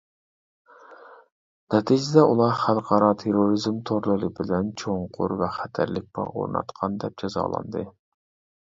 نەتىجىدە، ئۇلار خەلقئارا تېررورىزم تورلىرى بىلەن چوڭقۇر ۋە خەتەرلىك باغ ئورناتقان دەپ جازالاندى.